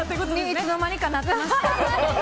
いつの間にかなっていました。